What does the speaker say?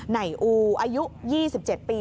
ไหนอูอายุ๒๗ปี